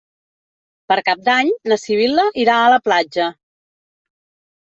Per Cap d'Any na Sibil·la irà a la platja.